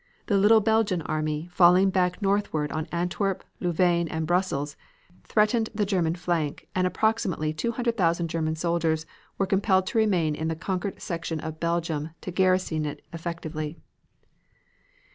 The little Belgian army falling back northward on Antwerp, Louvain and Brussels, threatened the German flank and approximately 200,000 German soldiers were compelled to remain in the conquered section of Belgium to garrison it effectively.